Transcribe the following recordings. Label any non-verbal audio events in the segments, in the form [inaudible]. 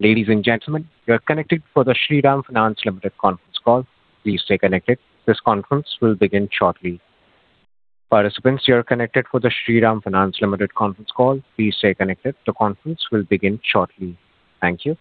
Ladies and gentlemen, you are connected for the Shriram Finance Limited conference call. Please stay connected. This conference will begin shortly. Participants, you are connected for the Shriram Finance Limited conference call. Please stay connected. The conference will begin shortly. Thank you.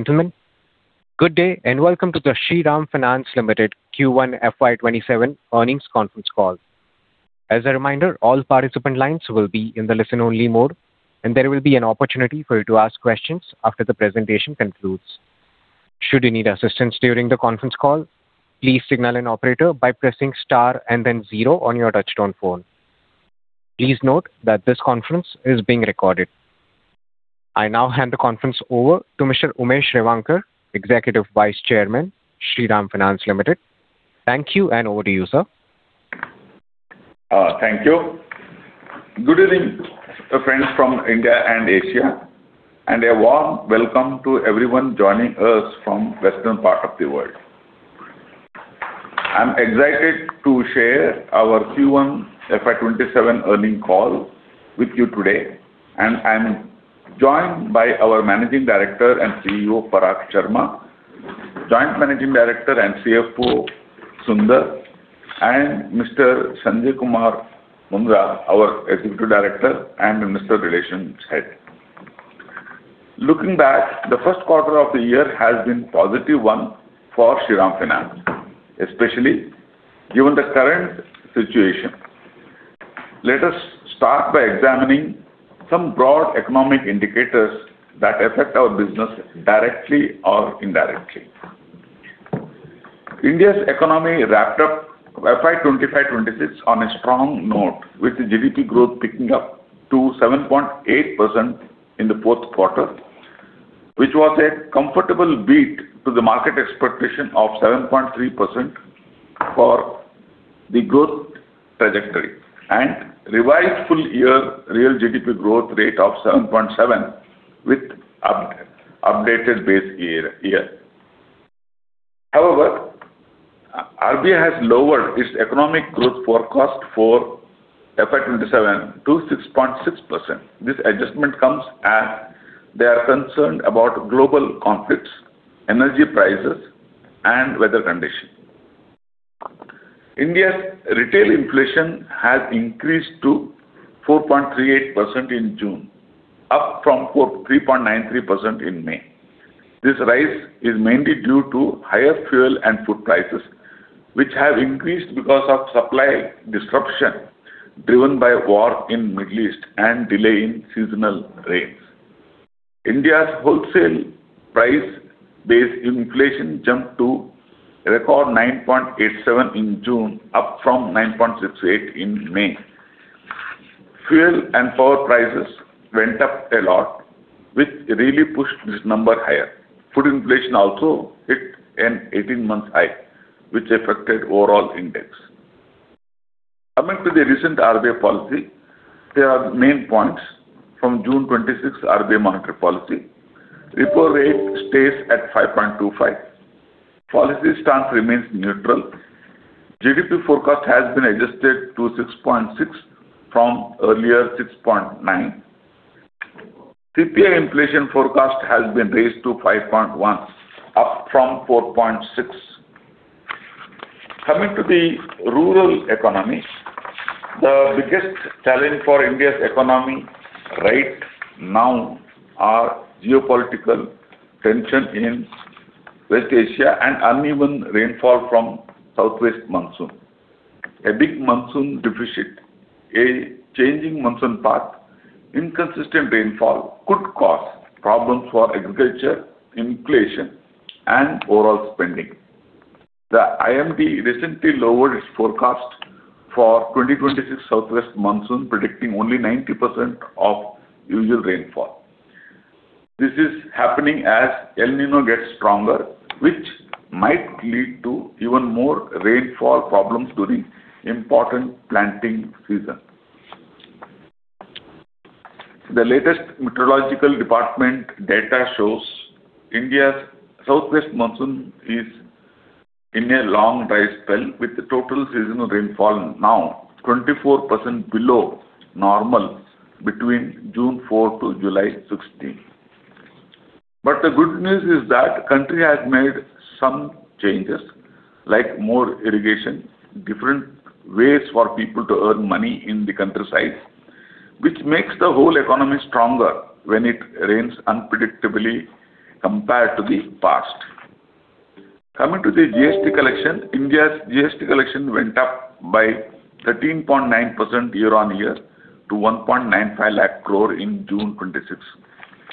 Ladies and gentlemen, good day, and welcome to the Shriram Finance Limited Q1 FY 2027 earnings conference call. As a reminder, all participant lines will be in the listen-only mode, and there will be an opportunity for you to ask questions after the presentation concludes. Should you need assistance during the conference call, please signal an operator by pressing star and then zero on your touchtone phone. Please note that this conference is being recorded. I now hand the conference over to Mr. Umesh Revankar, Executive Vice Chairman, Shriram Finance Limited. Thank you, and over to you, sir. Thank you. Good evening, friends from India and Asia, and a warm welcome to everyone joining us from western part of the world. I am excited to share our Q1 FY 2027 earning call with you today, and I am joined by our Managing Director and CEO, Parag Sharma, Joint Managing Director and CFO, Sunder, and Mr. Sanjay Kumar Mundra, our Executive Director and Investor Relations Head. Looking back, the first quarter of the year has been positive one for Shriram Finance, especially given the current situation. Let us start by examining some broad economic indicators that affect our business directly or indirectly. India's economy wrapped up FY 2025-2026 on a strong note, with the GDP growth picking up to 7.8% in the fourth quarter, which was a comfortable beat to the market expectation of 7.3% for the growth trajectory and revised full year real GDP growth rate of 7.7% with updated base year. However, RBI has lowered its economic growth forecast for FY 2027 to 6.6%. This adjustment comes as they are concerned about global conflicts, energy prices, and weather condition. India's retail inflation has increased to 4.38% in June, up from 3.93% in May. This rise is mainly due to higher fuel and food prices, which have increased because of supply disruption, driven by war in Middle East and delay in seasonal rains. India's wholesale price base inflation jumped to record 9.87% in June, up from 9.68% in May. Fuel and power prices went up a lot, which really pushed this number higher. Food inflation also hit an 18-month high, which affected overall index. Coming to the recent RBI policy, there are main points from June 26th RBI monetary policy. Repo rate stays at 5.25%. Policy stance remains neutral. GDP forecast has been adjusted to 6.6% from earlier 6.9%. CPI inflation forecast has been raised to 5.1%, up from 4.6%. Coming to the rural economy, the biggest challenge for India's economy right now are geopolitical tension in West Asia and uneven rainfall from southwest monsoon. A big monsoon deficit, a changing monsoon path, inconsistent rainfall could cause problems for agriculture, inflation, and overall spending. The IMD recently lowered its forecast for 2026 southwest monsoon, predicting only 90% of usual rainfall. This is happening as El Niño gets stronger, which might lead to even more rainfall problems during important planting season. The latest meteorological department data shows India's southwest monsoon is in a long dry spell, with total seasonal rainfall now 24% below normal between June 4-July 16. The good news is that the country has made some changes, like more irrigation, different ways for people to earn money in the countryside, which makes the whole economy stronger when it rains unpredictably compared to the past. Coming to the GST collection. India's GST collection went up by 13.9% year-on-year to 195,000 crore in June 2026,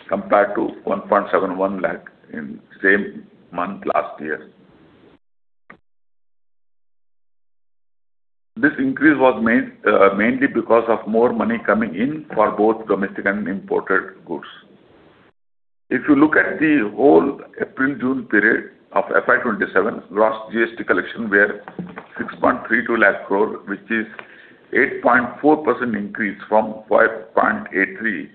compared to 171,000 in same month last year. This increase was mainly because of more money coming in for both domestic and imported goods. If you look at the whole April-June period of FY 2027, gross GST collections were 632,000 crore, which is 8.4% increase from 583,000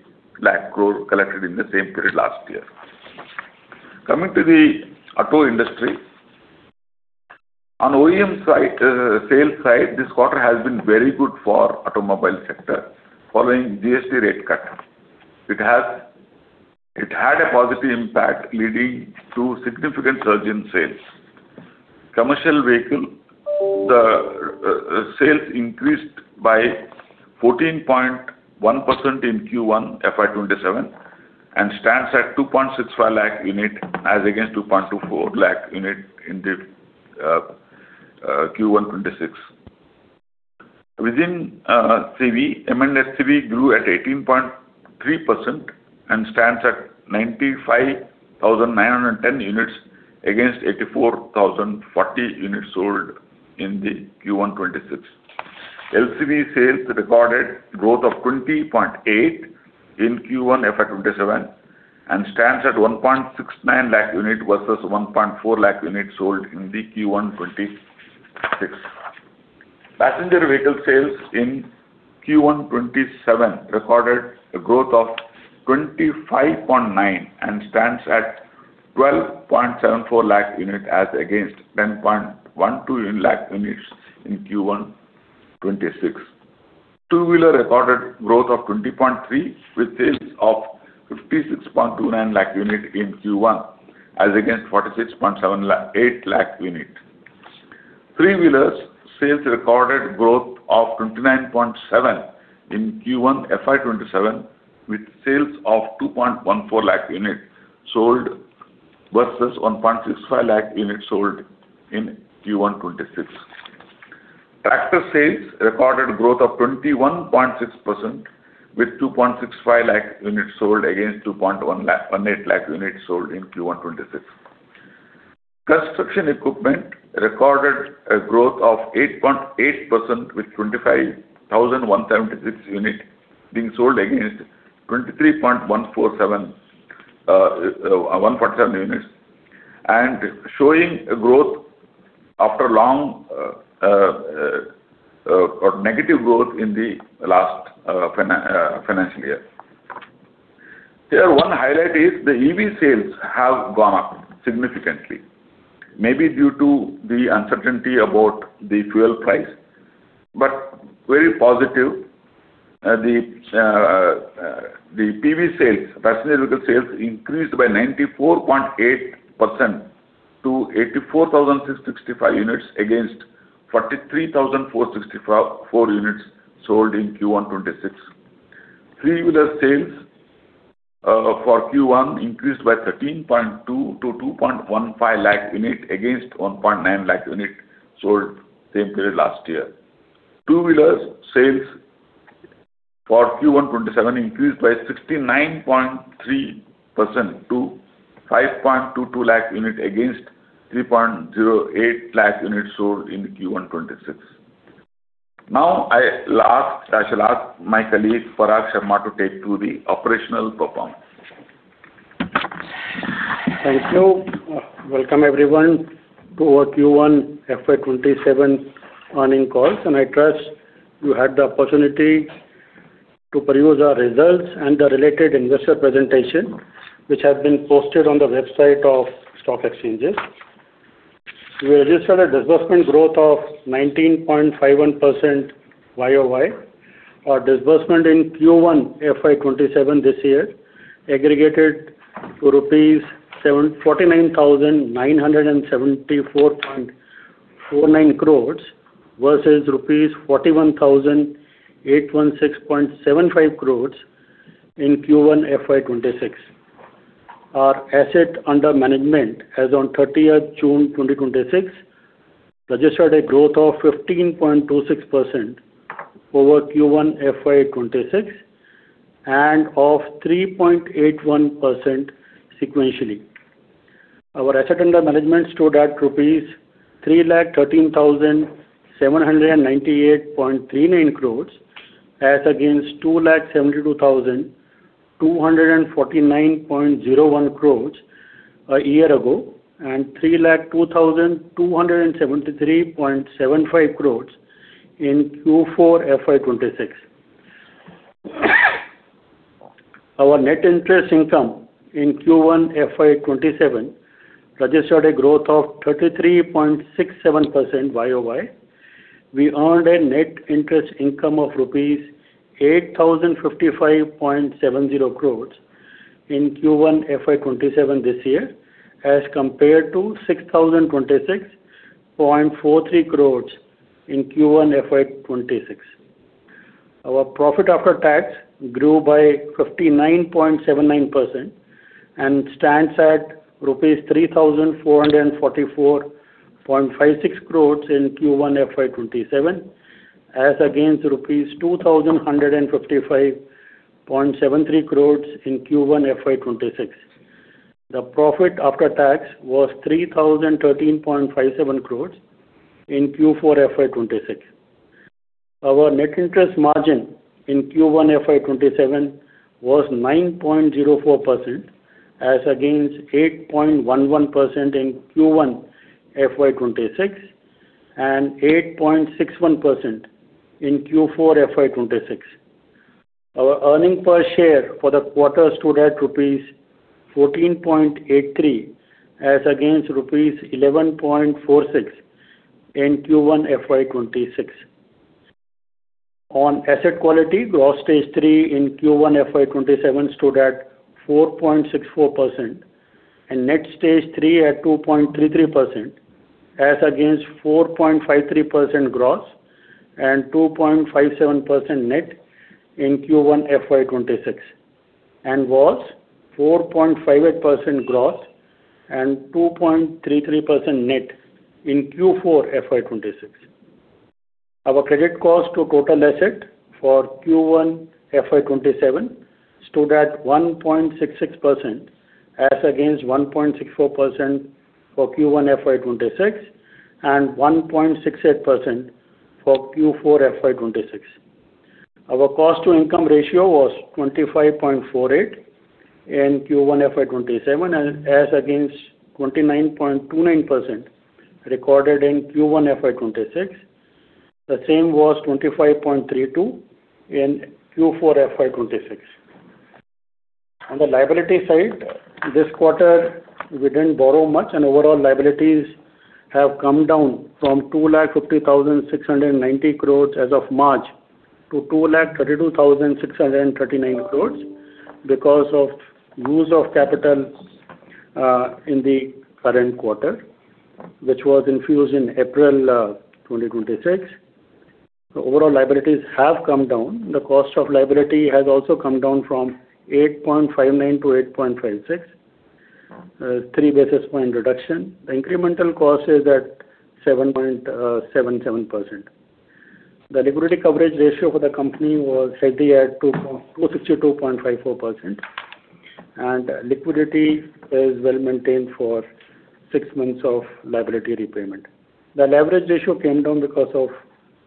crore collected in the same period last year. Coming to the auto industry. On OEM sales side, this quarter has been very good for automobile sector following GST rate cut. It had a positive impact, leading to significant surge in sales. Commercial Vehicle sales increased by 14.1% in Q1 FY 2027 and stands at 265,000 units, as against 224,000 units in Q1 2026. Within CV, M&HCV grew at 18.3% and stands at 95,910 units against 84,040 units sold in Q1 2026. LCV sales recorded growth of 20.8% in Q1 FY 2027 and stands at 169,000 units versus 140,000 units sold in Q1 2026. Passenger Vehicle sales in Q1 2027 recorded a growth of 25.9% and stands at 1,274,000 units as against 1,012,000 units in Q1 2026. Two-Wheeler Vehicle recorded growth of 20.3%, with sales of 5,629,000 units in Q1 as against 4,678,000 units. Three-Wheeler sales recorded growth of 29.7% in Q1 FY 2027, with sales of 214,000 units sold versus 165,000 units sold in Q1 2026. Tractor sales recorded growth of 21.6%, with 265,000 units sold against 218,000 units sold in Q1 2026. Construction Equipment recorded a growth of 8.8%, with 25,176 units being sold against 23,147 units and showing a growth after long or negative growth in the last financial year. Here, one highlight is the EV sales have gone up significantly, maybe due to the uncertainty about the fuel price, but very positive. The PV sales, Passenger Vehicle sales increased by 94.8% to 84,665 units against 43,464 units sold in Q1 2026. Three-Wheeler sales for Q1 increased by 13.2% to 215,000 units against 190,000 units sold same period last year. Two-Wheeler Vehicle sales for Q1 2027 increased by 69.3% to 522,000 units against 308,000 units sold in Q1 2026. Now, I shall ask my colleague, Parag Sharma, to take to the operational performance. Thank you. Welcome, everyone, to our Q1 FY 2027 earning call. I trust you had the opportunity to peruse our results and the related investor presentation, which have been posted on the website of stock exchanges. We registered a disbursement growth of 19.51% year-over-year. Our disbursement in Q1 FY 2027 this year aggregated to rupees 49,974.49 crore versus 41,816.75 crore rupees in Q1 FY 2026. Our asset under management, as on 30th June 2026, registered a growth of 15.26% over Q1 FY 2026 and of 3.81% sequentially. Our asset under management stood at rupees 313,798.39 crore as against 272,249.01 crore a year ago and 302,273.75 crore in Q4 FY 2026. Our net interest income in Q1 FY 2027 registered a growth of 33.67% year-over-year. We earned a net interest income of rupees 8,055.70 crore in Q1 FY 2027 this year as compared to 6,026.43 crore in Q1 FY 2026. Our profit after tax grew by 59.79% and stands at rupees 3,444.56 crore in Q1 FY 2027 as against rupees 2,155.73 crore in Q1 FY 2026. The profit after tax was 3,013.57 crore in Q4 FY 2026. Our net interest margin in Q1 FY 2027 was 9.04% as against 8.11% in Q1 FY 2026 and 8.61% in Q4 FY 2026. Our earnings per share for the quarter stood at rupees 14.83 as against rupees 11.46 in Q1 FY 2026. On asset quality, Gross Stage 3 in Q1 FY 2027 stood at 4.64%, and Net Stage 3 at 2.33%, as against 4.53% gross and 2.57% net in Q1 FY 2026, and was 4.58% gross and 2.33% net in Q4 FY 2026. Our credit cost to total asset for Q1 FY 2027 stood at 1.66%, as against 1.64% for Q1 FY 2026 and 1.68% for Q4 FY 2026. Our cost-to-income ratio was 25.48% in Q1 FY 2027 as against 29.29% recorded in Q1 FY 2026. The same was 25.32% in Q4 FY 2026. On the liability side, this quarter, we didn't borrow much, and overall liabilities have come down from 250,690 crore as of March to 232,639 crore because of use of capital in the current quarter, which was infused in April 2026. Overall liabilities have come down. The cost of liability has also come down from 8.59%-8.56%. A three basis point reduction. The incremental cost is at 7.77%. The liquidity coverage ratio for the company was slightly at 262.54%, and liquidity is well-maintained for six months of liability repayment. The leverage ratio came down because of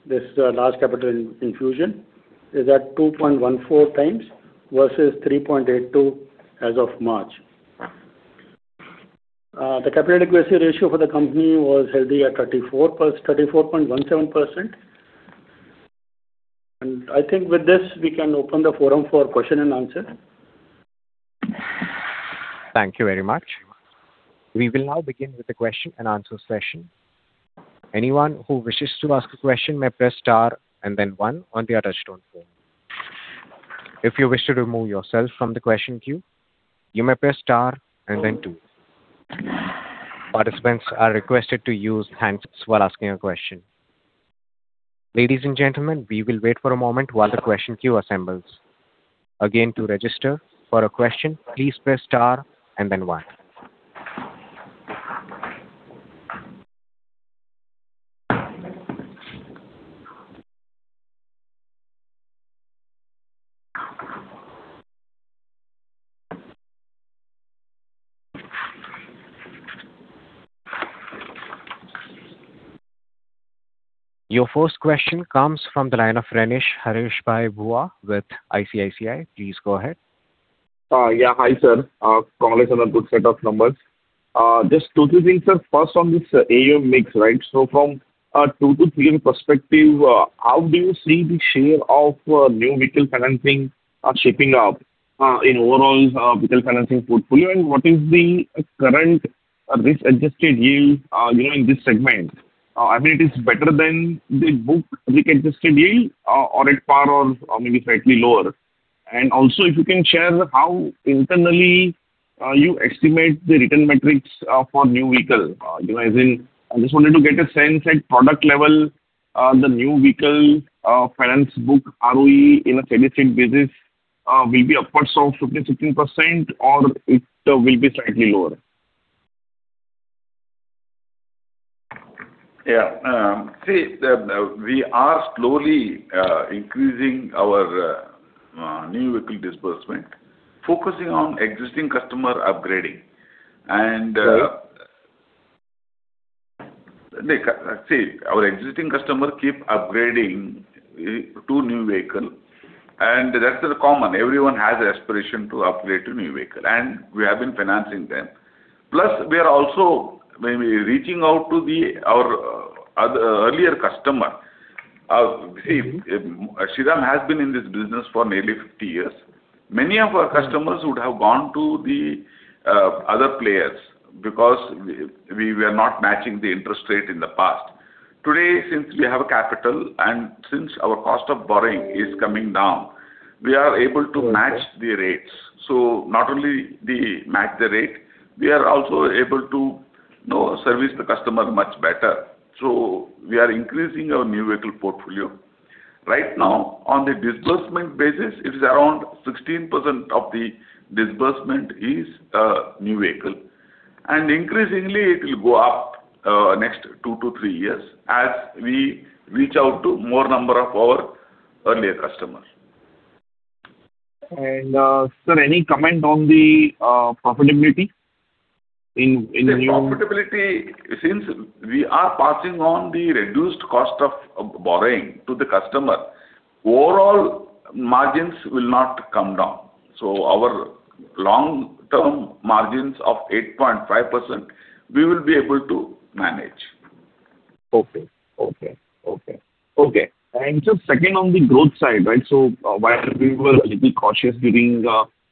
this large capital infusion, is at 2.14x versus 3.82x as of March. The capital adequacy ratio for the company was healthy at 34.17%. I think with this, we can open the forum for question and answer. Thank you very much. We will now begin with the question and answer session. Anyone who wishes to ask a question may press star and then one on their touchtone phone. If you wish to remove yourself from the question queue, you may press star and then two. Participants are requested to use handsets while asking a question. Ladies and gentlemen, we will wait for a moment while the question queue assembles. Again, to register for a question, please press star and then one. Your first question comes from the line of Renish Hareshbhai Bhuva with ICICI. Please go ahead. Yeah. Hi, sir. Congrats on a good set of numbers. Just two, three things, sir. First, on this AUM mix. From a two to three year perspective, how do you see the share of new vehicle financing shaping up in overall vehicle financing portfolio, and what is the current A risk-adjusted yield during this segment. I mean, it is better than the book risk-adjusted yield or at par or maybe slightly lower. Also, if you can share how internally you estimate the return metrics for new vehicle. As in, I just wanted to get a sense at product level, the new vehicle finance book ROE in a steady state basis will be upwards of 15%-16%, or it will be slightly lower. Yeah. See, we are slowly increasing our new vehicle disbursement, focusing on existing customer upgrading. Right. See, our existing customer keep upgrading to new vehicle, and that's common. Everyone has the aspiration to upgrade to new vehicle, and we have been financing them. We are also maybe reaching out to our earlier customer. See, Shriram has been in this business for nearly 50 years. Many of our customers would have gone to the other players because we were not matching the interest rate in the past. Today, since we have capital and since our cost of borrowing is coming down, we are able to match the rates. Not only they match the rate, we are also able to service the customer much better. We are increasing our new vehicle portfolio. Right now, on the disbursement basis, it is around 16% of the disbursement is new vehicle. Increasingly, it will go up next two to three years as we reach out to more number of our earlier customers. Sir, any comment on the profitability in. The profitability, since we are passing on the reduced cost of borrowing to the customer, overall margins will not come down. Our long-term margins of 8.5%, we will be able to manage. Okay. Just second on the growth side. While we were a little cautious during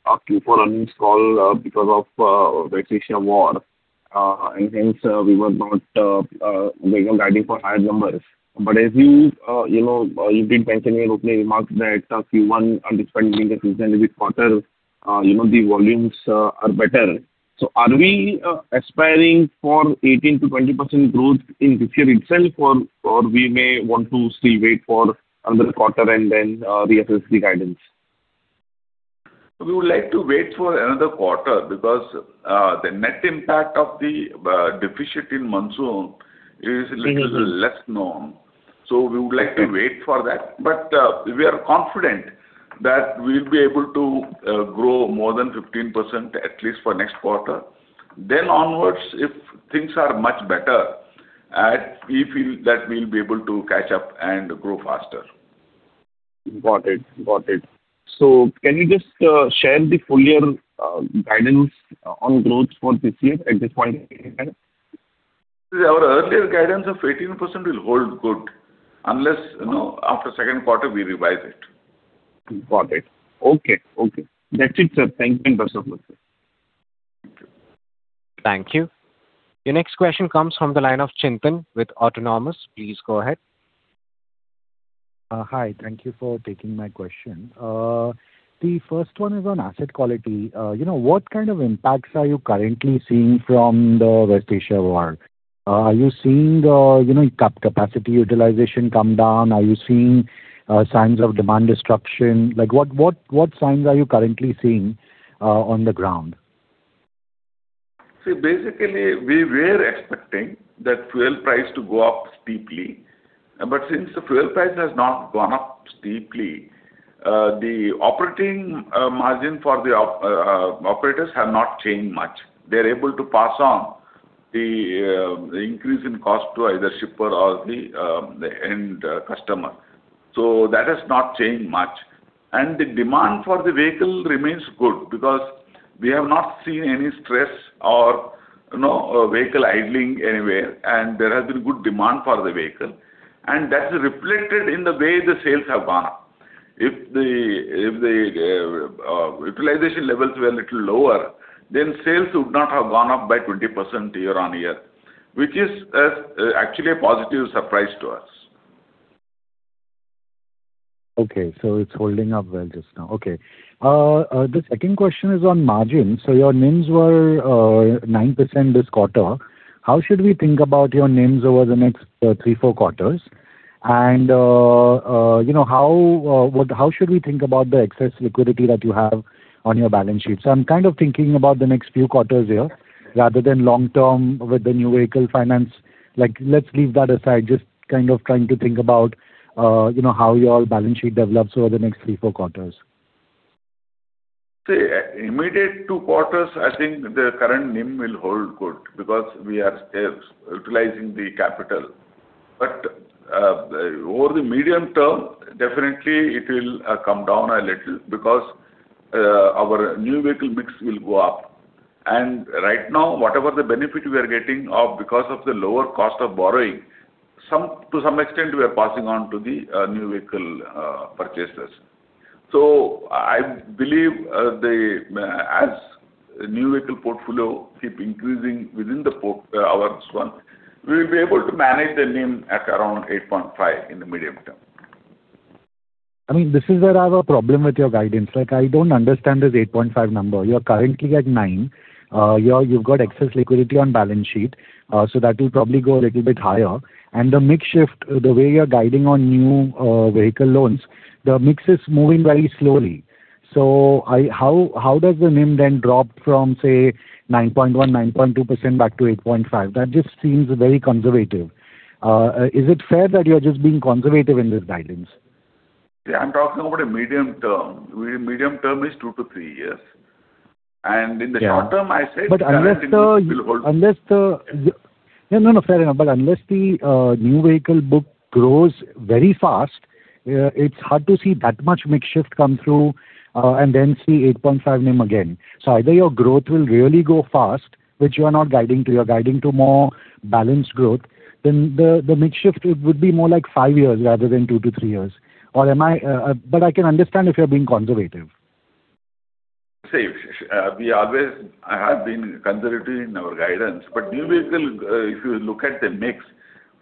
our Q4 earnings call because of West Asia war, and hence we were not maybe guiding for higher numbers. As you did mention in your opening remarks that Q1, despite being a seasonal weak quarter, the volumes are better. Are we aspiring for 18%-20% growth in this year itself, or we may want to still wait for another quarter and then reassess the guidance? We would like to wait for another quarter because the net impact of the deficit in monsoon is a little less known. We would like to wait for that. We are confident that we'll be able to grow more than 15%, at least for next quarter. Onwards, if things are much better, we feel that we'll be able to catch up and grow faster. Got it. Can you just share the full year guidance on growth for this year at this point in time? Our earlier guidance of 18% will hold good unless after second quarter we revise it. Got it. Okay. That's it, sir. Thank you very much. Thank you. Thank you. Your next question comes from the line of Chintan with Autonomous. Please go ahead. Hi. Thank you for taking my question. The first one is on asset quality. What kind of impacts are you currently seeing from the West Asia war? Are you seeing capacity utilization come down? Are you seeing signs of demand destruction? What signs are you currently seeing on the ground? Basically, we were expecting that fuel price to go up steeply. Since the fuel price has not gone up steeply, the operating margin for the operators have not changed much. They are able to pass on the increase in cost to either shipper or the end customer. That has not changed much. The demand for the vehicle remains good because we have not seen any stress or vehicle idling anywhere, and there has been good demand for the vehicle, and that is reflected in the way the sales have gone up. If the utilization levels were a little lower, then sales would not have gone up by 20% year-on-year, which is actually a positive surprise to us. It's holding up well just now. Okay. The second question is on margin. Your NIMs were 9% this quarter. How should we think about your NIMs over the next three, four quarters? How should we think about the excess liquidity that you have on your balance sheet? I'm kind of thinking about the next few quarters here rather than long term with the new vehicle finance. Let's leave that aside. Just kind of trying to think about how your balance sheet develops over the next three, four quarters. See, immediate two quarters, I think the current NIM will hold good because we are still utilizing the capital. Over the medium term, definitely it will come down a little because our new vehicle mix will go up. Right now, whatever the benefit we are getting because of the lower cost of borrowing, to some extent, we are passing on to the new vehicle purchasers. I believe as new vehicle portfolio keep increasing within our Shriram, we will be able to manage the NIM at around 8.5% in the medium term. This is where I have a problem with your guidance. I don't understand this 8.5% number. You're currently at 9%. You've got excess liquidity on balance sheet, so that will probably go a little bit higher. The mix shift, the way you're guiding on new vehicle loans, the mix is moving very slowly. How does the NIM then drop from, say, 9.1%, 9.2% back to 8.5%? That just seems very conservative. Is it fair that you're just being conservative in this guidance? I'm talking about a medium term. Medium term is two to three years. In the short term, I said- But unless the- Yes. No, fair enough. Unless the new vehicle book grows very fast, it is hard to see that much mix shift come through and then see 8.5% NIM again. Either your growth will really go fast, which you are not guiding to, you are guiding to more balanced growth, then the mix shift would be more like five years rather than two to three years. I can understand if you are being conservative. See, we always have been conservative in our guidance. New vehicle, if you look at the mix,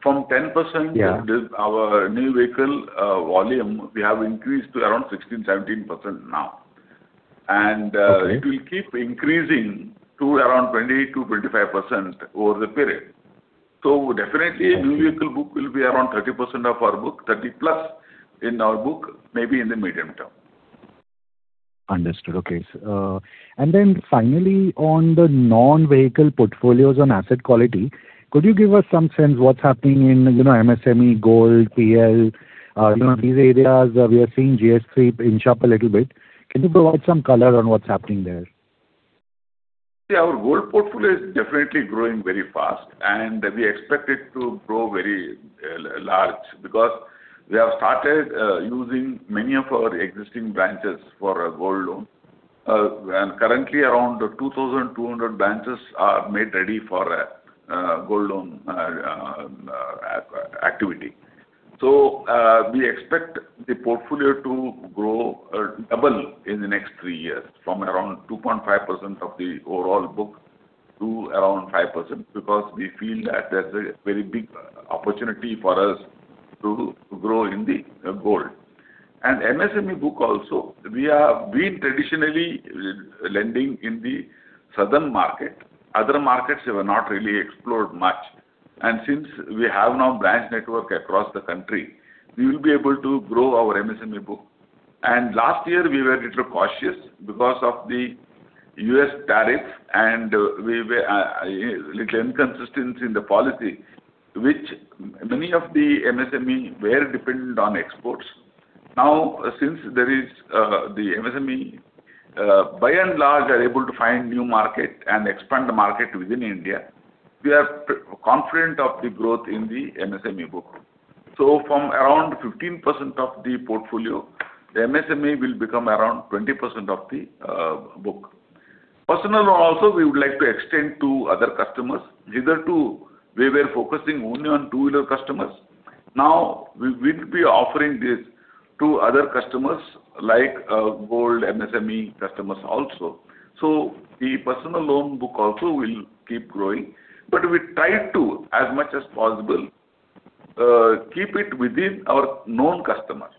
from 10% with our new vehicle volume, we have increased to around 16%, 17% now. Okay. It will keep increasing to around 20%-25% over the period. Definitely, new vehicle book will be around 30% of our book, 30% plus in our book, maybe in the medium term. Understood. Okay. Finally, on the non-vehicle portfolios on asset quality, could you give us some sense what's happening in MSME, gold, PL, these areas we are seeing GS3 inch up a little bit. Can you provide some color on what's happening there? Our gold portfolio is definitely growing very fast, we expect it to grow very large because we have started using many of our existing branches for gold loans. Currently, around 2,200 branches are made ready for gold loan activity. We expect the portfolio to double in the next three years, from around 2.5% of the overall book to around 5%, because we feel that there's a very big opportunity for us to grow in the gold. MSME book also, we have been traditionally lending in the southern market. Other markets were not really explored much. Since we have now branch network across the country, we will be able to grow our MSME book. Last year, we were little cautious because of the U.S. tariff, and little inconsistency in the policy, which many of the MSMEs were dependent on exports. Now, since the MSMEs by and large are able to find new market and expand the market within India, we are confident of the growth in the MSME book. From around 15% of the portfolio, MSME will become around 20% of the book. Personal loan also, we would like to extend to other customers. Hitherto, we were focusing only on Commercial Vehicle customers. Now we will be offering this to other customers like gold, MSME customers also. The personal loan book also will keep growing. We try to, as much as possible, keep it within our known customers.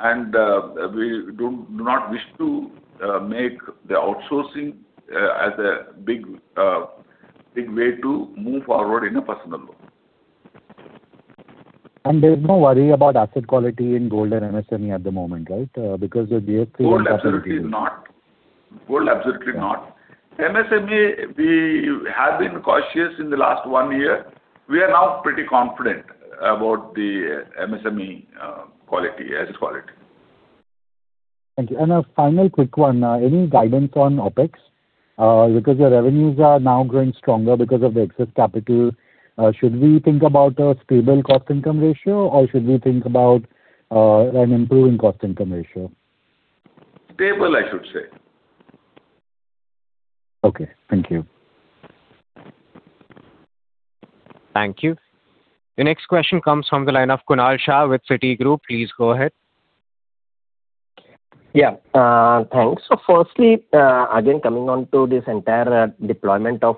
We do not wish to make the outsourcing as a big way to move forward in a personal loan. There's no worry about asset quality in gold and MSME at the moment, right? Because the GS3- Gold, absolutely not. MSME, we have been cautious in the last one year. We are now pretty confident about the MSME asset quality. Thank you. A final quick one. Any guidance on OpEx? Your revenues are now growing stronger because of the excess capital. Should we think about a stable cost-income ratio, or should we think about an improving cost-income ratio? Stable, I should say. Okay. Thank you. Thank you. The next question comes from the line of Kunal Shah with Citigroup. Please go ahead. Yeah. Thanks. Firstly, again, coming on to this entire deployment of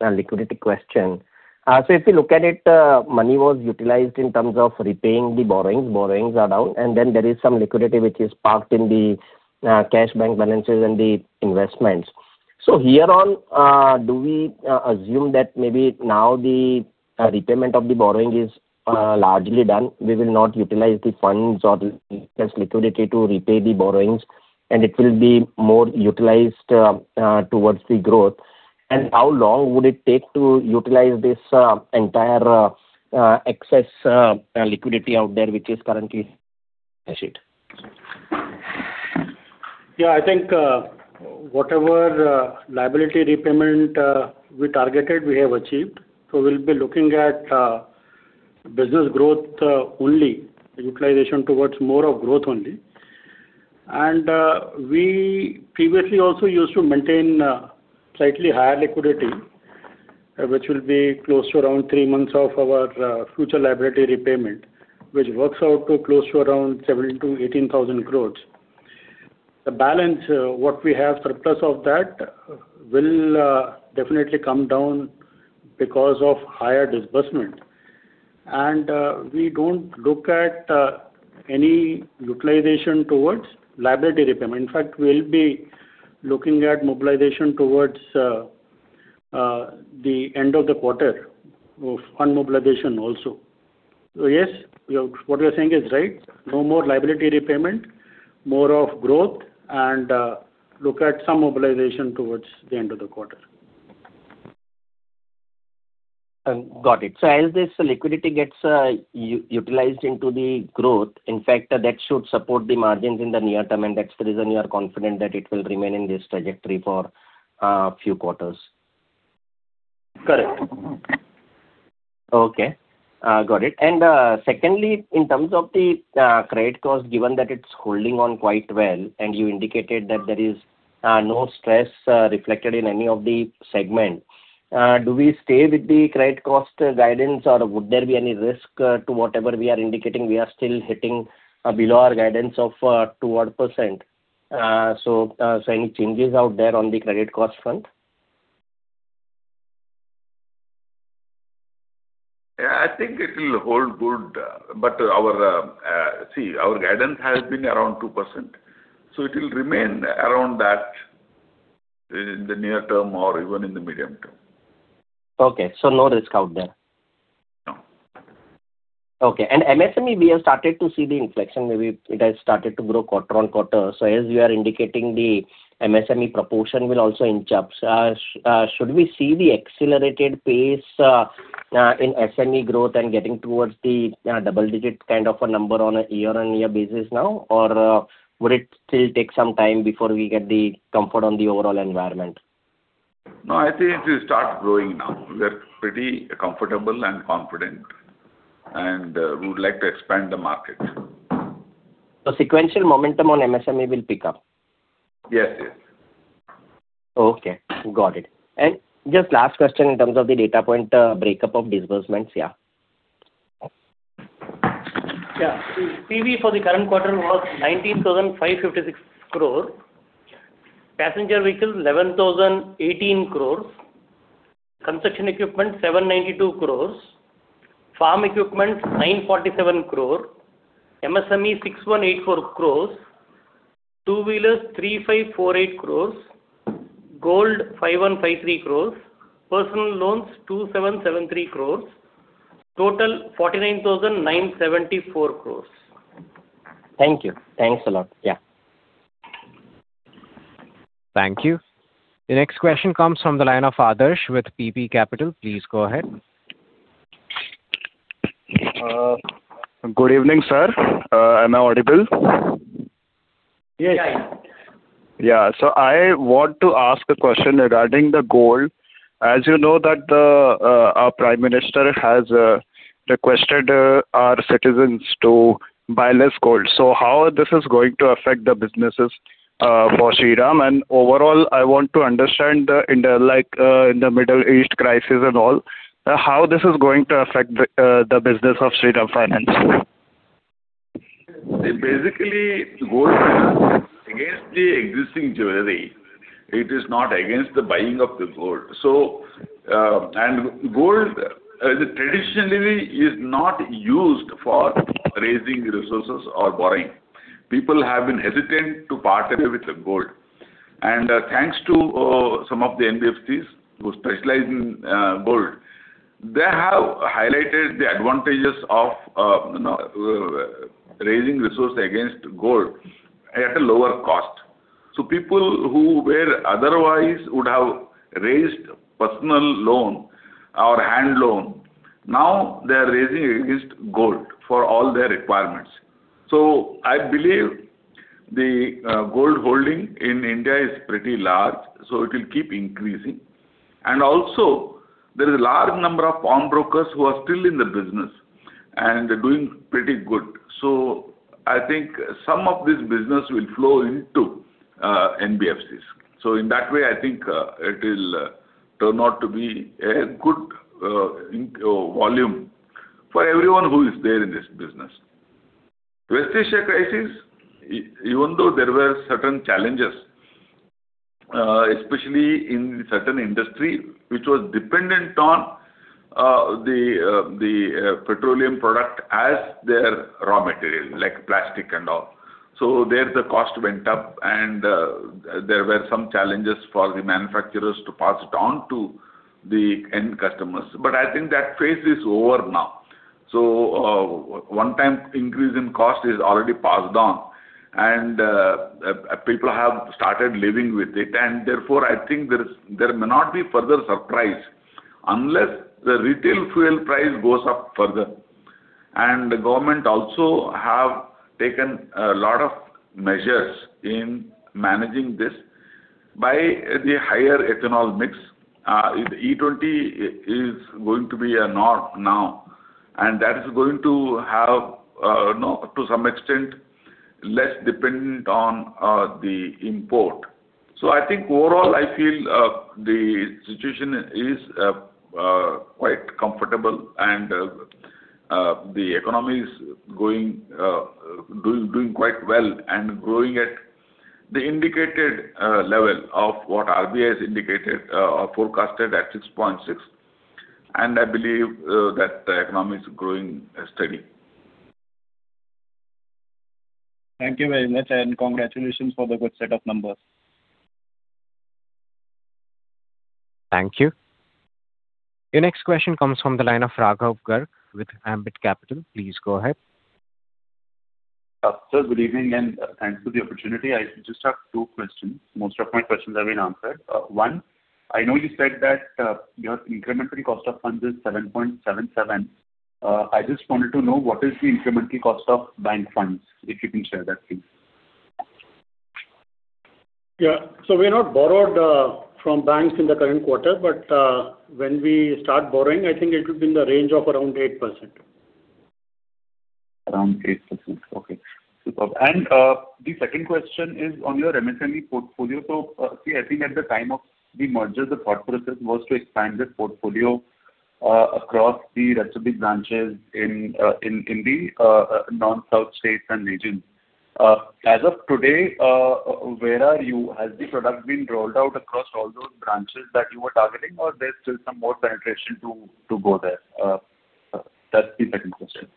liquidity question. If you look at it, money was utilized in terms of repaying the borrowings. Borrowings are down, and then there is some liquidity which is parked in the cash bank balances and the investments. Herein, do we assume that maybe now the repayment of the borrowing is largely done, we will not utilize the funds or excess liquidity to repay the borrowings and it will be more utilized towards the growth? How long would it take to utilize this entire excess liquidity out there, which is currently sheet? Yeah, I think whatever liability repayment we targeted, we have achieved. We'll be looking at business growth only, utilization towards more of growth only. We previously also used to maintain slightly higher liquidity Which will be close to around three months of our future liability repayment, which works out to close to around 17,000 crore-18,000 crore. The balance, what we have surplus of that will definitely come down because of higher disbursement. We don't look at any utilization towards liability repayment. In fact, we'll be looking at mobilization towards the end of the quarter of fund mobilization also. Yes, what you're saying is right. No more liability repayment, more of growth and look at some mobilization towards the end of the quarter. Got it. As this liquidity gets utilized into the growth, in fact, that should support the margins in the near term, and that's the reason you are confident that it will remain in this trajectory for a few quarters. Correct. Okay, got it. Secondly, in terms of the credit cost, given that it's holding on quite well and you indicated that there is no stress reflected in any of the segment, do we stay with the credit cost guidance or would there be any risk to whatever we are indicating? We are still hitting below our guidance of 2%. Any changes out there on the credit cost front? I think it will hold good. Our guidance has been around 2%, so it will remain around that in the near term or even in the medium term. Okay. No risk out there. No. Okay. MSME, we have started to see the inflection where it has started to grow quarter-on-quarter. As you are indicating, the MSME proportion will also inch up. Should we see the accelerated pace in MSME growth and getting towards the double-digit kind of a number on a year-on-year basis now? Will it still take some time before we get the comfort on the overall environment? No, I think it will start growing now. We are pretty comfortable and confident. We would like to expand the market. Sequential momentum on MSME will pick up. Yes. Okay, got it. Just last question in terms of the data point, breakup of disbursements. Yeah. Yeah. PV for the current quarter was 19,556 crore. Passenger Vehicles, inr 11,018 crore. Construction equipment, 792 crore. Farm equipment, 947 crore. MSME, 6,184 crore. Two wheelers, 3,548 crore. Gold, 5,153 crore. Personal loans, 2,773 crore. Total, 49,974 crore. Thank you. Thanks a lot. Yeah. Thank you. The next question comes from the line of Adarsh with PB Capital. Please go ahead. Good evening, sir. Am I audible? Yes. Yeah. I want to ask a question regarding the gold. As you know that our prime minister has requested our citizens to buy less gold. How this is going to affect the businesses for Shriram? Overall, I want to understand in the Middle East crisis and all, how this is going to affect the business of Shriram Finance? Basically, gold against the existing jewelry. It is not against the buying of the gold. Gold, traditionally, is not used for raising resources or borrowing. People have been hesitant to part away with the gold. Thanks to some of the NBFCs who specialize in gold, they have highlighted the advantages of raising resource against gold at a lower cost. People who otherwise would have raised personal loan or hand loan, now they are raising against gold for all their requirements. I believe the gold holding in India is pretty large, so it will keep increasing. Also, there is a large number of pawnbrokers who are still in the business and doing pretty good. I think some of this business will flow into NBFCs. In that way, I think it will turn out to be a good volume for everyone who is there in this business. West Asia crisis, even though there were certain challenges, especially in certain industry which was dependent on the petroleum product as their raw material, like plastic and all. There, the cost went up and there were some challenges for the manufacturers to pass it on to the end customers. I think that phase is over now. One time increase in cost is already passed on and people have started living with it and therefore, I think there may not be further surprise unless the retail fuel price goes up further. The government also have taken a lot of measures in managing this by the higher ethanol mix. E20 is going to be a norm now, that is going to have, to some extent Less dependent on the import. I think overall, I feel the situation is quite comfortable and the economy is doing quite well and growing at the indicated level of what RBI indicated or forecasted at 6.6%. I believe that the economy is growing steady. Thank you very much, and congratulations for the good set of numbers. Thank you. Your next question comes from the line of Raghav Garg with Ambit Capital. Please go ahead. Sir, good evening and thanks for the opportunity. I just have two questions. Most of my questions have been answered. One, I know you said that your incremental cost of funds is 7.77%. I just wanted to know what is the incremental cost of bank funds, if you can share that, please. Yeah. We have not borrowed from banks in the current quarter, but when we start borrowing, I think it would be in the range of around 8%. Around 8%, okay. Superb. The second question is on your MSME portfolio. I think at the time of the merger, the thought process was to expand the portfolio across the [inaudible] branches in the non-south states and regions. As of today, where are you? Has the product been rolled out across all those branches that you were targeting or there's still some more penetration to go there? That's the second question.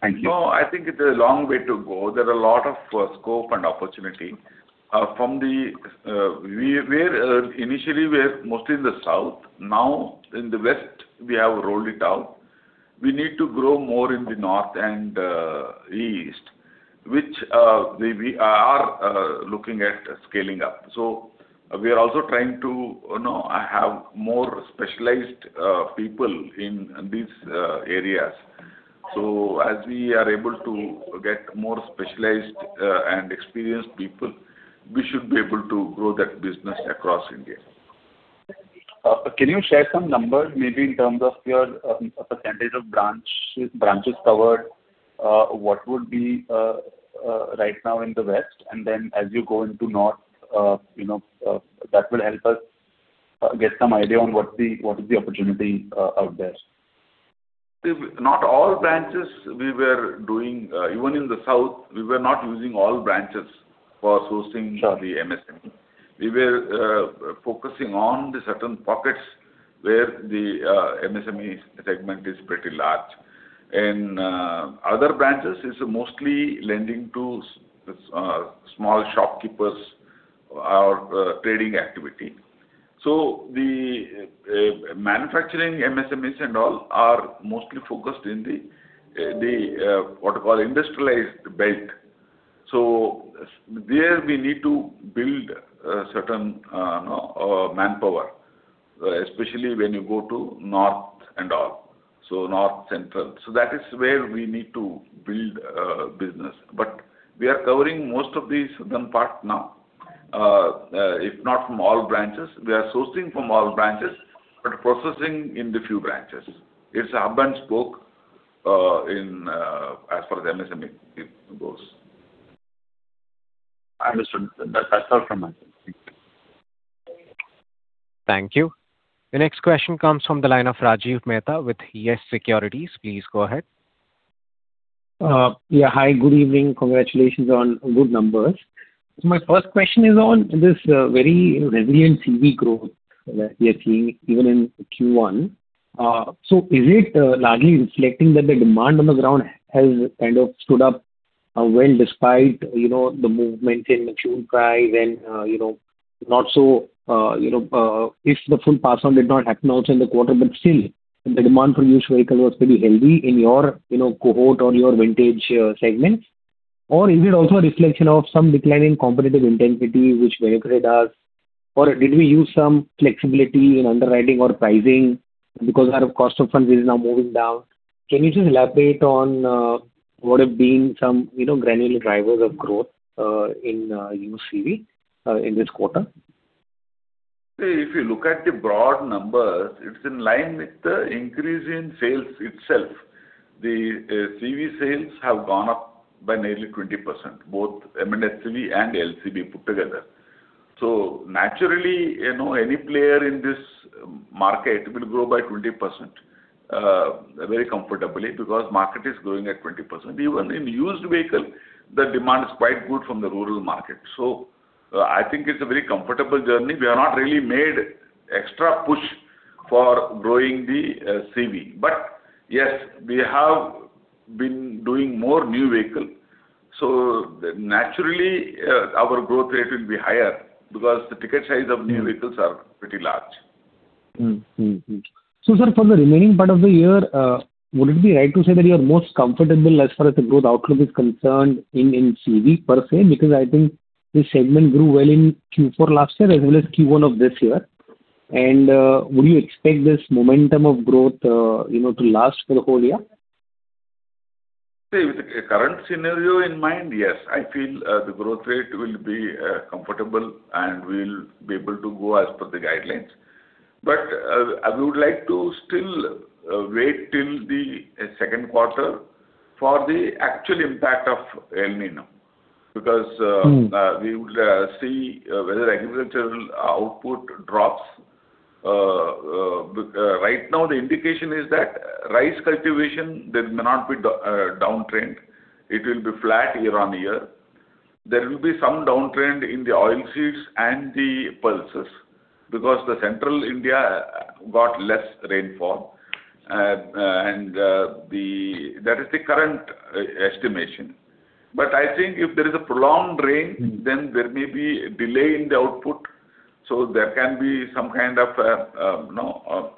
Thank you. No, I think it's a long way to go. There's a lot of scope and opportunity. Initially, we were mostly in the south. Now in the west, we have rolled it out. We need to grow more in the north and east, which we are looking at scaling up. We are also trying to have more specialized people in these areas. As we are able to get more specialized and experienced people, we should be able to grow that business across India. Can you share some numbers, maybe in terms of a percentage of branches covered? What would be right now in the west, and then as you go into north, that will help us get some idea on what is the opportunity out there. Not all branches we were doing. Even in the south, we were not using all branches for sourcing the MSME. We were focusing on the certain pockets where the MSME segment is pretty large. In other branches, it's mostly lending to small shopkeepers or trading activity. The manufacturing MSMEs and all are mostly focused in the what you call industrialized belt. There we need to build certain manpower, especially when you go to north and all, north, central. That is where we need to build business. We are covering most of the southern part now. If not from all branches, we are sourcing from all branches but processing in the few branches. It's a hub and spoke as far as the MSME goes. Understood. That's all from my end. Thank you. Thank you. The next question comes from the line of Rajiv Mehta with YES Securities. Please go ahead. Yeah. Hi, good evening. Congratulations on good numbers. My first question is on this very resilient CV growth that we are seeing even in Q1. Is it largely reflecting that the demand on the ground has kind of stood up well despite the movement in material price and if the full pass on did not happen out in the quarter, but still, the demand for used vehicle was pretty healthy in your cohort or your vintage segment? Is it also a reflection of some decline in competitive intensity which benefited us? Did we use some flexibility in underwriting or pricing because our cost of funds is now moving down? Can you just elaborate on what have been some granular drivers of growth in used CV in this quarter? If you look at the broad numbers, it's in line with the increase in sales itself. The CV sales have gone up by nearly 20%, both M&HCV and LCV put together. Naturally, any player in this market will grow by 20% very comfortably because market is growing at 20%. Even in used vehicle, the demand is quite good from the rural market. I think it's a very comfortable journey. We have not really made extra push for growing the CV. Yes, we have been doing more new vehicle. Naturally, our growth rate will be higher because the ticket size of new vehicles are pretty large. Sir, for the remaining part of the year, would it be right to say that you are most comfortable as far as the growth outlook is concerned in CV per se? Because I think this segment grew well in Q4 last year as well as Q1 of this year. Would you expect this momentum of growth to last for the whole year? See, with the current scenario in mind, yes, I feel the growth rate will be comfortable and we'll be able to go as per the guidelines. I would like to still wait till the second quarter for the actual impact of El Niño, because we would see whether agricultural output drops. Right now, the indication is that rice cultivation, there may not be a downtrend. It will be flat year-on-year. There will be some downtrend in the oilseeds and the pulses because central India got less rainfall, and that is the current estimation. I think if there is a prolonged rain, then there may be a delay in the output. There can be some kind of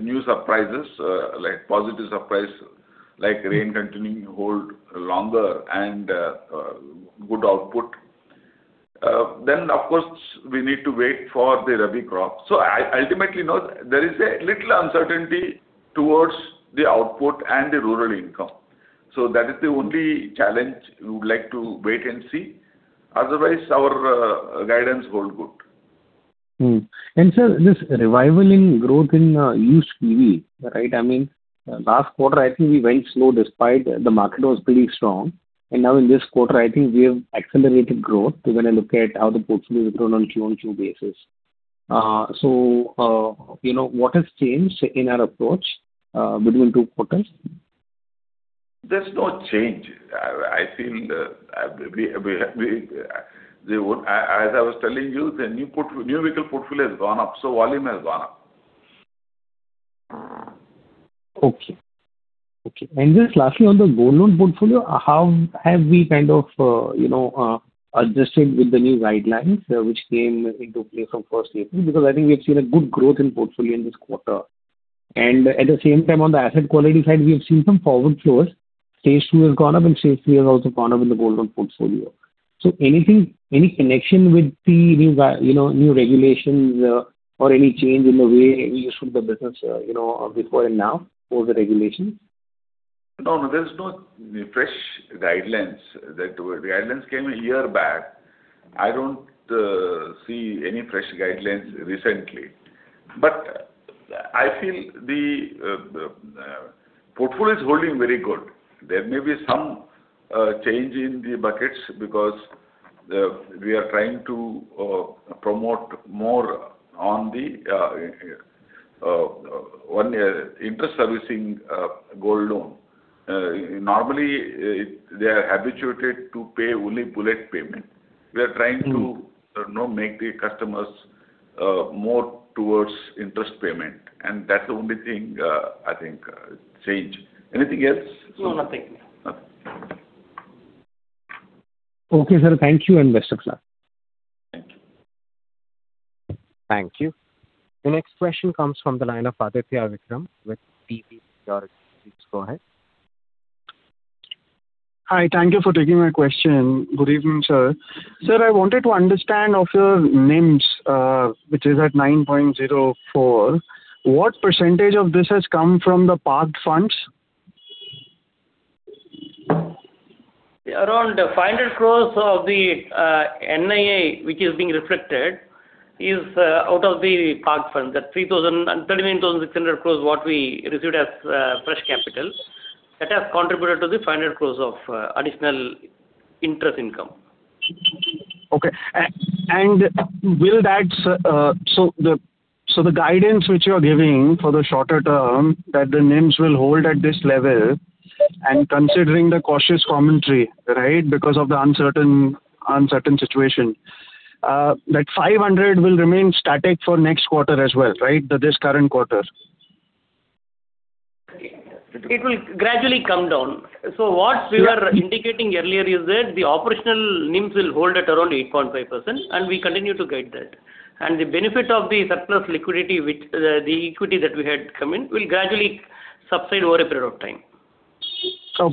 new surprises, like positive surprise, like rain continuing hold longer and good output. Of course, we need to wait for the rabi crop. Ultimately, there is a little uncertainty towards the output and the rural income. That is the only challenge. We would like to wait and see. Otherwise, our guidance hold good. Sir, this revival in growth in used PV. Last quarter, I think we went slow despite the market was pretty strong. Now in this quarter, I think we have accelerated growth when I look at how the portfolio has grown on quarter-over-quarter basis. What has changed in our approach between two quarters? There's no change. As I was telling you, the new vehicle portfolio has gone up, so volume has gone up. Just lastly, on the gold loan portfolio, how have we kind of adjusted with the new guidelines which came into play from 1st April? I think we have seen a good growth in portfolio in this quarter. At the same time, on the asset quality side, we have seen some forward flows. Stage 2 has gone up, and Stage 3 has also gone up in the gold loan portfolio. Any connection with the new regulations or any change in the way you shoot the business before and now for the regulations? No, there's no fresh guidelines. The guidelines came a year back. I don't see any fresh guidelines recently, but I feel the portfolio is holding very good. There may be some change in the buckets because we are trying to promote more on the interest servicing gold loan. Normally, they are habituated to pay only bullet payment. We are trying to now make the customers more towards interest payment, and that's the only thing, I think changed. Anything else? No, nothing. Okay. Okay, sir. Thank you and best of luck. Thank you. Thank you. The next question comes from the line of Aditya Vikram with DB Securities. Please go ahead. Hi. Thank you for taking my question. Good evening, sir. Sir, I wanted to understand of your NIMs, which is at 9.04%. What percentage of this has come from the parked funds? Around INR 500 crore of the NII which is being reflected is out of the parked fund. That 13,600 crore what we received as fresh capital, that has contributed to the 500 crore of additional interest income. The guidance which you are giving for the shorter term, that the NIMs will hold at this level and considering the cautious commentary, because of the uncertain situation, that 500 will remain static for next quarter as well. This current quarter. It will gradually come down. What we were indicating earlier is that the operational NIMs will hold at around 8.5%, and we continue to guide that. The benefit of the surplus liquidity, the equity that we had come in will gradually subside over a period of time. My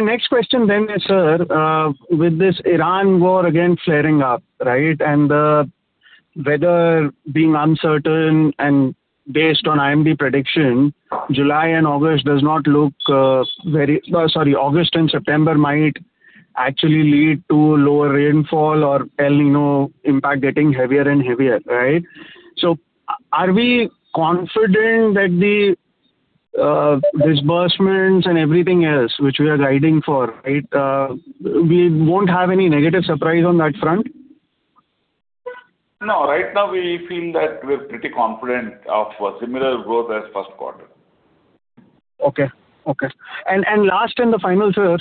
next question then, sir, with this Iran war again flaring up and the weather being uncertain and based on IMD prediction, August and September might actually lead to lower rainfall or El Niño impact getting heavier and heavier. Are we confident that the disbursements and everything else which we are guiding for, we won't have any negative surprise on that front? No. Right now, we feel that we're pretty confident of a similar growth as first quarter. Okay. Last and the final, sir,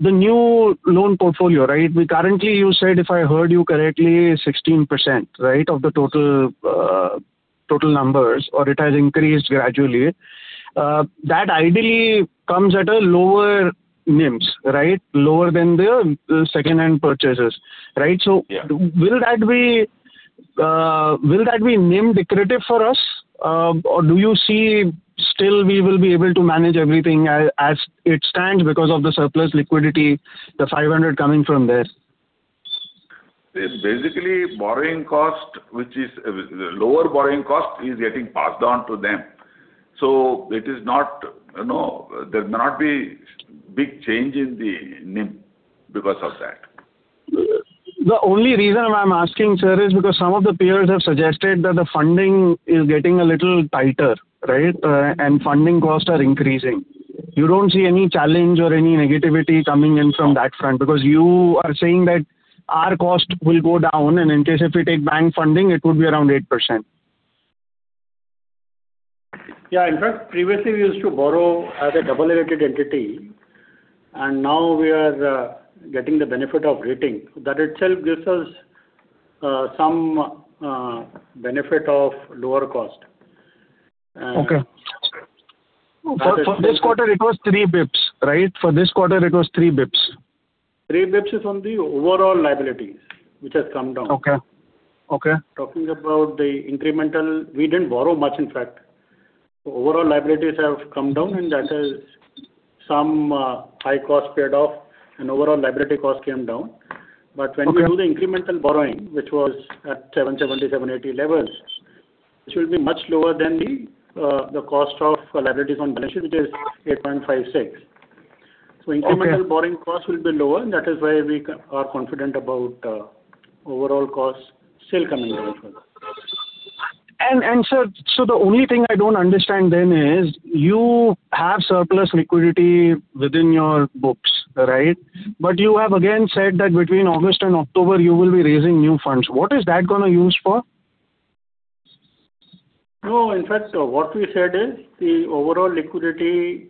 the new loan portfolio. Currently, you said, if I heard you correctly, 16% of the total numbers, or it has increased gradually. That ideally comes at a lower NIMs. Lower than the secondhand purchases. Yeah. Will that be NIM declarative for us, or do you see still we will be able to manage everything as it stands because of the surplus liquidity, the 500 coming from there? Basically, lower borrowing cost is getting passed on to them. There may not be big change in the NIM because of that. The only reason why I'm asking, sir, is because some of the peers have suggested that the funding is getting a little tighter, right? Funding costs are increasing. You don't see any challenge or any negativity coming in from that front because you are saying that our cost will go down, and in case if we take bank funding, it would be around 8%. Yeah. In fact, previously we used to borrow as a double-rated entity. Now we are getting the benefit of rating. That itself gives us some benefit of lower cost. Okay. For this quarter it was three basis points, right? For this quarter it was three basis points. Three basis points is on the overall liabilities, which has come down. Okay. Talking about the incremental, we didn't borrow much, in fact. Overall liabilities have come down, and that is some high cost paid off and overall liability cost came down. When we do the incremental borrowing, which was at 7.70%, 7.80% levels, which will be much lower than the cost of liabilities on balance sheet, it is 8.56%. Okay. Incremental borrowing cost will be lower, and that is why we are confident about overall cost still coming down further. Sir, the only thing I don't understand then is you have surplus liquidity within your books, right? You have again said that between August and October you will be raising new funds. What is that going to be used for? No, in fact, what we said is the overall liquidity,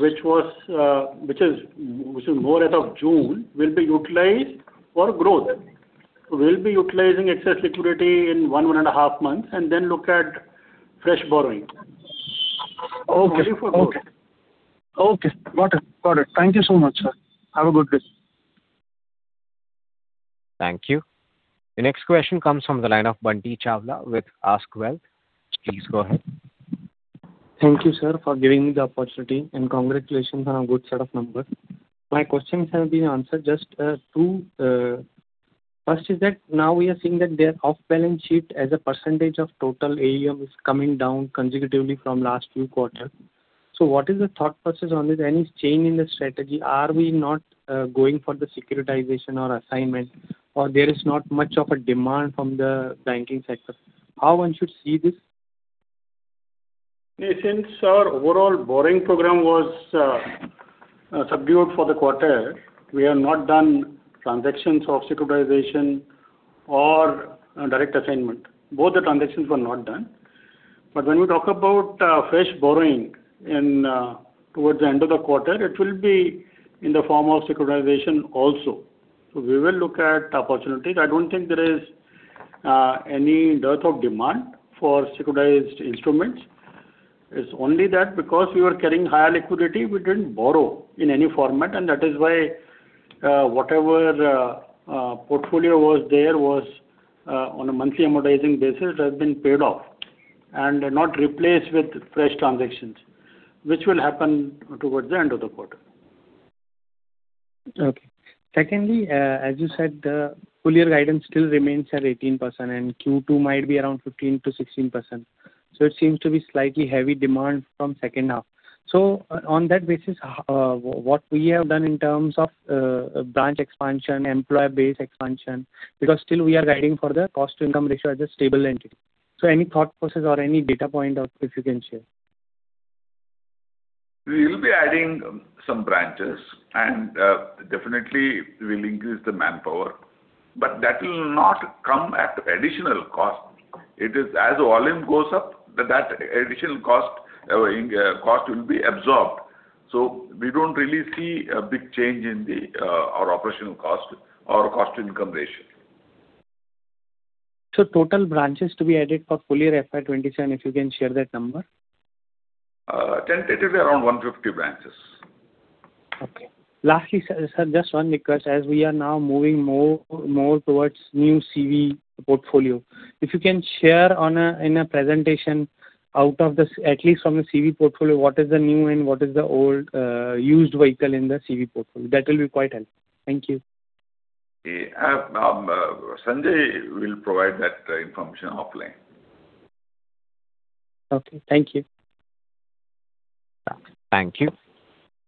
which is more as of June, will be utilized for growth. We'll be utilizing excess liquidity in one and a half months, and then look at fresh borrowing. Okay. Only for growth. Okay. Got it. Thank you so much, sir. Have a good day. Thank you. The next question comes from the line of Bunty Chawla with ASK Wealth. Please go ahead. Thank you, sir, for giving me the opportunity. Congratulations on a good set of numbers. My questions have been answered. Just two. First is that now we are seeing that their off-balance sheet as a percentage of total AUM is coming down consecutively from last few quarter. What is the thought process on this? Any change in the strategy? Are we not going for the securitization or assignment, or there is not much of a demand from the banking sector? How one should see this? Since our overall borrowing program was subdued for the quarter, we have not done transactions of securitization or direct assignment. Both the transactions were not done. When we talk about fresh borrowing towards the end of the quarter, it will be in the form of securitization also. We will look at opportunities. I don't think there is any dearth of demand for securitized instruments. It's only that because we were carrying higher liquidity, we didn't borrow in any format, and that is why whatever portfolio was there was on a monthly amortizing basis has been paid off and not replaced with fresh transactions, which will happen towards the end of the quarter. Okay. Secondly, as you said, the full year guidance still remains at 18%, and Q2 might be around 15%-16%. It seems to be slightly heavy demand from second half. On that basis, what we have done in terms of branch expansion, employer base expansion, because still we are guiding for the cost-to-income ratio as a stable entity. Any thought process or any data point of if you can share. We will be adding some branches and definitely we'll increase the manpower. That will not come at additional cost. It is as volume goes up, that additional cost will be absorbed. We don't really see a big change in our operational cost or cost-income ratio. Total branches to be added for full year FY 2027, if you can share that number. Tentatively around 150 branches. Okay. Lastly, sir, just one request. As we are now moving more towards new CV portfolio, if you can share in a presentation out of this, at least from the CV portfolio, what is the new and what is the old, used vehicle in the CV portfolio? That will be quite helpful. Thank you. Sanjay will provide that information offline. Okay. Thank you. Thank you.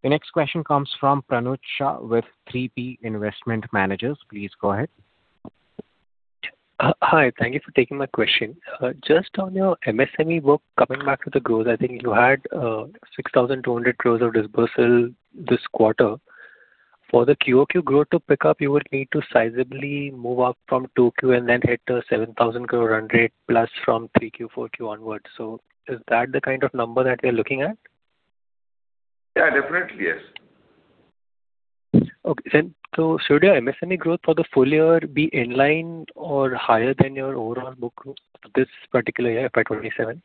The next question comes from Pranuj Shah with 3P Investment Managers. Please go ahead. Hi. Thank you for taking my question. Just on your MSME book, coming back to the growth, I think you had 6,200 crore of dispersal this quarter. For the quarter-over-quarter growth to pick up, you would need to sizably move up from 2Q and then hit a 7,000 crore run rate plus from 3Q, 4Q onwards. Is that the kind of number that we're looking at? Yeah, definitely, yes. Okay. Should your MSME growth for the full year be in line or higher than your overall book growth this particular year, FY 2027?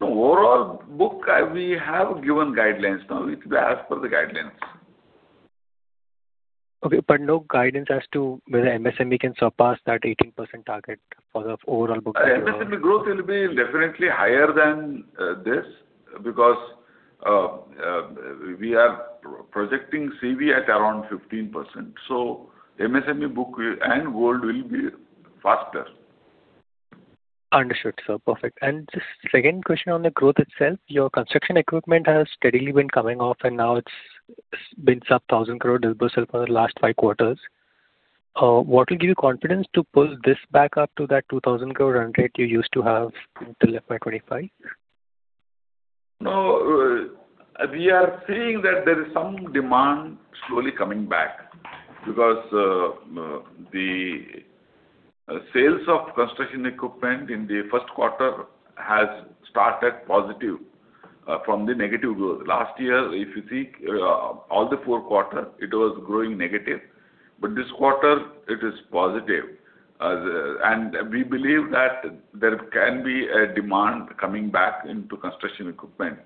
Overall book, we have given guidelines. Now it could be as per the guidelines. Okay. No guidance as to whether MSME can surpass that 18% target for the overall book. MSME growth will be definitely higher than this because we are projecting CV at around 15%. MSME book and gold will be faster. Understood, sir. Perfect. Just second question on the growth itself, your construction equipment has steadily been coming off, and now it has been sub 1,000 crore disbursement for the last five quarters. What will give you confidence to pull this back up to that 2,000 crore run rate you used to have till FY 2025? No. We are seeing that there is some demand slowly coming back because the sales of construction equipment in the first quarter has started positive from the negative growth. Last year, if you see all the four quarters, it was growing negative, but this quarter it is positive. We believe that there can be a demand coming back into construction equipment.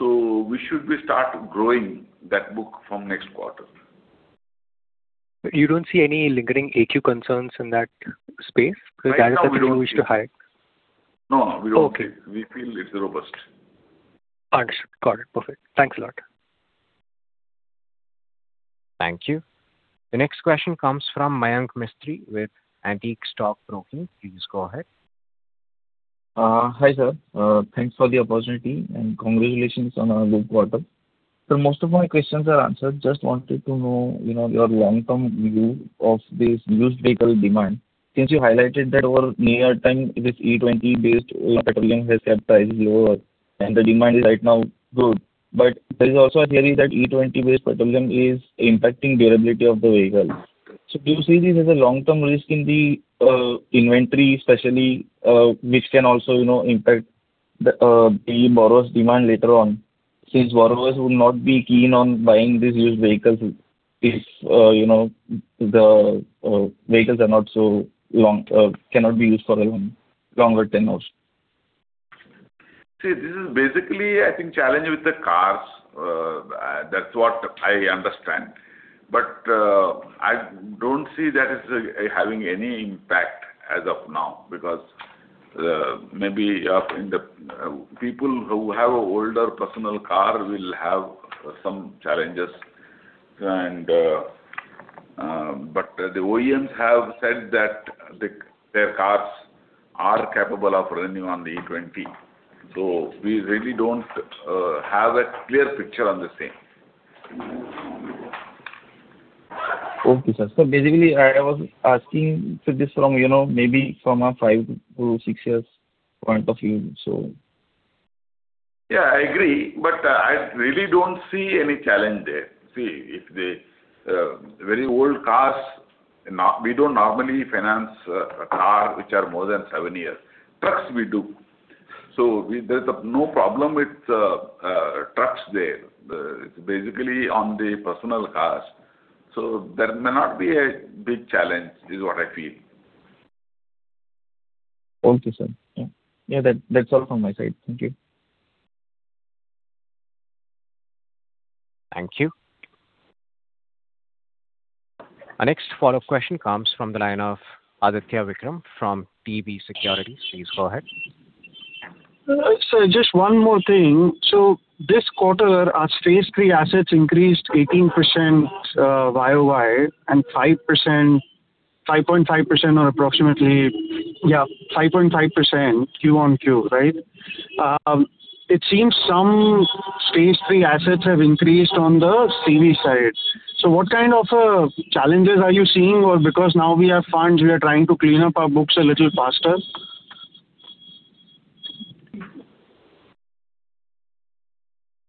We should be start growing that book from next quarter. You don't see any lingering AQ concerns in that space that you wish to highlight? No, we don't. Okay. We feel it's robust. Understood. Got it. Perfect. Thanks a lot. Thank you. The next question comes from Mayank Mistry with Antique Stock Broking. Please go ahead. Hi, sir. Thanks for the opportunity, and congratulations on a good quarter. Most of my questions are answered. Just wanted to know your long-term view of this used vehicle demand. Since you highlighted that over near time, this E20-based petroleum has kept prices lower and the demand is right now good. There is also a theory that E20-based petroleum is impacting durability of the vehicles. Do you see this as a long-term risk in the inventory, especially which can also impact the borrowers' demand later on, since borrowers would not be keen on buying these used vehicles if the vehicles cannot be used for a longer tenure? See, this is basically, I think, challenge with the cars. That's what I understand. I don't see that as having any impact as of now, because maybe people who have older personal car will have some challenges. The OEMs have said that their cars are capable of running on the E20, so we really don't have a clear picture on the same. Okay, sir. Basically, I was asking this from maybe from a five to six years point of view. Yeah, I agree, I really don't see any challenge there. Very old cars, we don't normally finance a car which are more than seven years. Trucks, we do. There's no problem with trucks there. It's basically on the personal cars. There may not be a big challenge, is what I feel. Okay, sir. Yeah, that's all from my side. Thank you. Thank you. Our next follow-up question comes from the line of Aditya Vikram from DB Securities. Please go ahead. Sir, just one more thing. This quarter, our Stage 3 assets increased 18% year-over-year and 5.5% or approximately Yeah, 5.5% quarter-over-quarter, right? It seems some Stage 3 assets have increased on the CV side. What kind of challenges are you seeing? Because now we have funds, we are trying to clean up our books a little faster?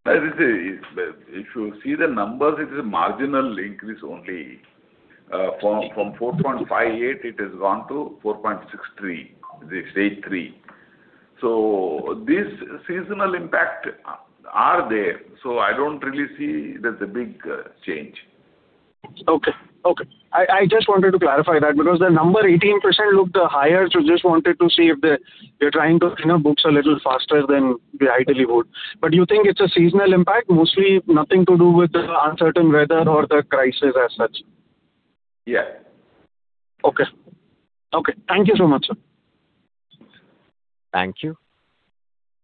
If you see the numbers, it is a marginal increase only. From 4.58% it has gone to 4.63%, the Stage 3. These seasonal impact are there, so I don't really see there's a big change. Okay. I just wanted to clarify that because the number 18% looked higher, so just wanted to see if you're trying to clean up books a little faster than we ideally would. You think it's a seasonal impact, mostly nothing to do with the uncertain weather or the crisis as such? Yeah. Okay. Thank you so much, sir. Thank you.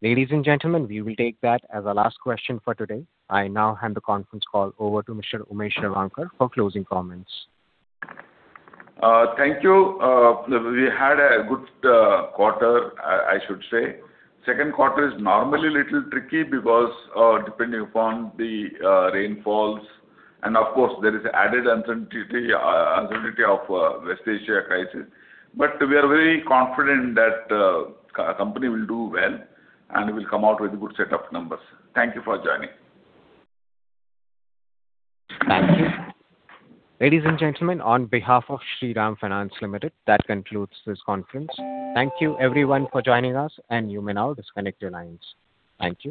Ladies and gentlemen, we will take that as our last question for today. I now hand the conference call over to Mr. Umesh Revankar for closing comments. Thank you. We had a good quarter, I should say. Second quarter is normally a little tricky because depending upon the rainfalls, and of course, there is added uncertainty of West Asia crisis. We are very confident that company will do well and will come out with good set of numbers. Thank you for joining. Thank you. Ladies and gentlemen, on behalf of Shriram Finance Limited, that concludes this conference. Thank you everyone for joining us. You may now disconnect your lines. Thank you.